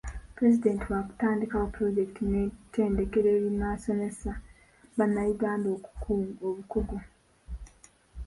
Pulezidenti waakutandikawo pulojekiti n'ettendekero erinaasomesa bannayuganda obukugu.